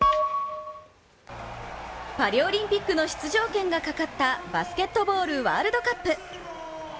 パリオリンピックの出場権がかかったバスケットボールワールドカップ。